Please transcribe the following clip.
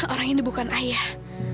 orang ini bukan ayah